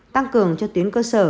tăng cường cho tuyến cơ sở